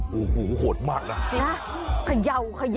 โหโหโหดมาก